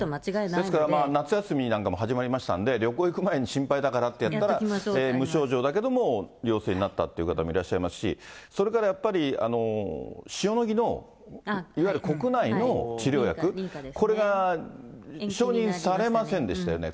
ですから、夏休みなんかも始まりましたので、旅行行く前に、心配だからってやったら、無症状だけども陽性になったという方もいらっしゃいますし、それからやっぱり、塩野義のいわゆる国内の治療薬、これが承認されませんでしたよね。